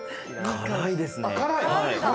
辛いですね。